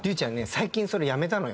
最近それやめたのよ。